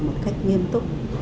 một cách nghiêm túc